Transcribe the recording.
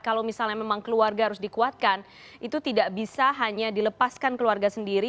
kalau misalnya memang keluarga harus dikuatkan itu tidak bisa hanya dilepaskan keluarga sendiri